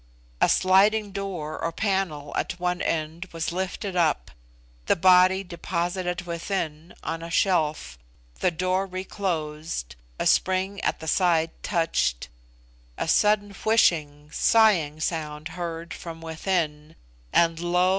A sliding door or panel at one end was lifted up the body deposited within, on a shelf the door reclosed a spring a the side touched a sudden 'whishing,' sighing sound heard from within; and lo!